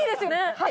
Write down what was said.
はい！